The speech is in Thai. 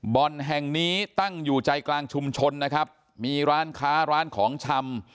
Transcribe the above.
บ่อนแห่งนี้ตั้งอยู่ใจกลางชุมชนนะครับมีร้านค้าร้านของชำ